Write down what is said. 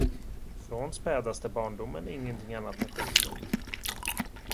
Från spädaste barndomen ingenting annat än sjukdom.